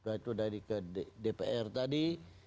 itu dari ke dpr tadi